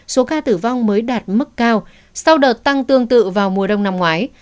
số ca tử vong mới đạt mức cao sau đợt tăng tương tự vào mùa đông năm ngoái